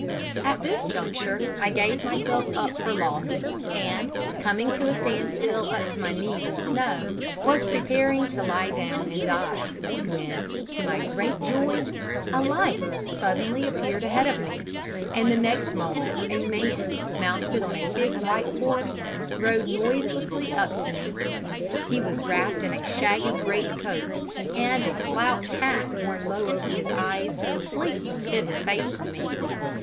"At this juncture I gave myself up for lost, and, coming to a standstill up to my knees in snow, was preparing to lie down and die, when, to my great joy, a light suddenly appeared ahead of me, and the next moment a man, mounted on a big white horse, rode noiselessly up to me. He was wrapped in a shaggy great coat, and a slouch hat worn low over his eyes completely hid his face from me.